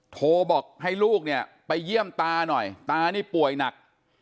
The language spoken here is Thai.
โทรบอกให้ลูกเนี่ยไปเยี่ยมตาหน่อยตานี่ป่วยหนัก